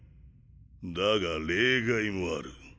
だが例外もある。